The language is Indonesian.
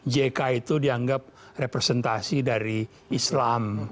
jk itu dianggap representasi dari islam